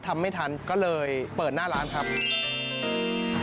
ทำไม่ทันก็เลยเปิดหน้าร้านครับ